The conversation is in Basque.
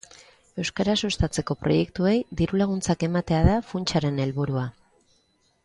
Euskara sustatzeko proiektuei diru-laguntzak ematea da funtsaren helburua.